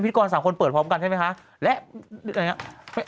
หนูก็ว่าถ้าพี่โดนชั้นตรงไหน